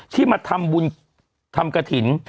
ที่มาทำบุญทำกระถิ่น